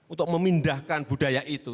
untuk memindahkan budaya itu